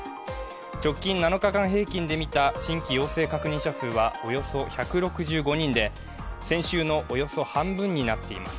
直近７日間平均で見た新規陽性確認者数はおよそ１６５人で先週のおよそ半分になっています。